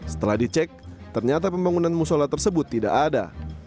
setelah dicek ternyata pembangunan musola tersebut tidak ada